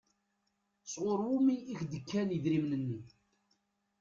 Sɣur wumi i k-d-kan idrimen-nni?